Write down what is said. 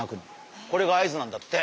これが合図なんだって！